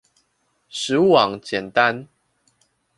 食物網簡單